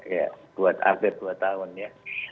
ya hampir dua tahun ya